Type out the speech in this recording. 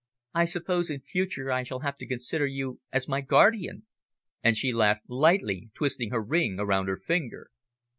"I suppose in future I shall have to consider you as my guardian," and she laughed lightly, twisting her ring around her finger.